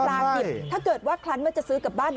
ปลากลิบถ้าเกิดว่าครั้นเมื่อจะซื้อกับบ้าน